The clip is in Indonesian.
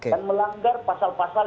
dan melanggar pasal pasal